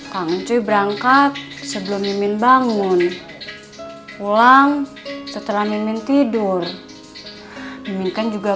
kang itu berangkat sebelum mimpin bangun ulang setelah mimpin tidur mimpikan juga